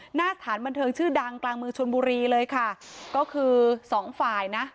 หน้าสถานบันเทิงชื่อดังกลางเมืองชนบุรีเลยค่ะก็คือสองฝ่ายนะ